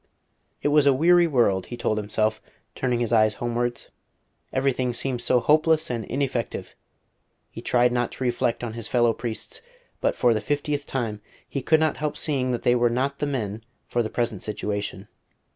It was a weary world, he told himself, turning his eyes homewards. Everything seemed so hopeless and ineffective. He tried not to reflect on his fellow priests, but for the fiftieth time he could not help seeing that they were not the men for the present situation.